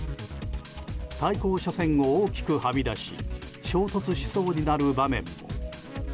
対向車線を大きくはみ出し衝突しそうになる場面も。